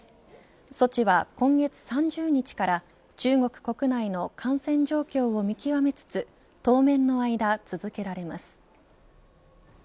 措置は今月３０日から中国国内の感染状況を見極めつつ当面の間、続けられます。